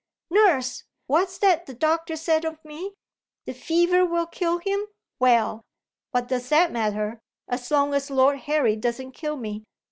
Nurse! What's that the doctor said of me? The fever will kill him? Well, what does that matter, as long as Lord Harry doesn't kill me?